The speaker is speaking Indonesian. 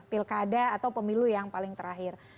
pilkada atau pemilu yang paling terakhir